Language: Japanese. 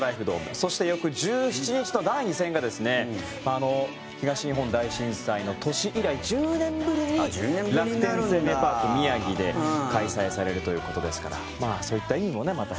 そして翌１７日の第２戦がですね東日本大震災の年以来１０年ぶりに楽天生命パーク宮城で開催されるという事ですからそういった意味もね、また。